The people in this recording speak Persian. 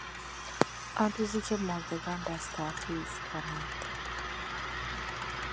آن روزی که مردگان رستاخیز کنند